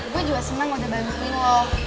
gue juga seneng udah bantuin lo